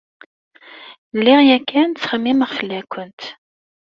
Lliɣ yakan ttxemmimeɣ fell-akent.